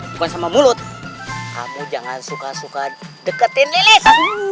bukan sama mulut kamu jangan suka suka deketin lilis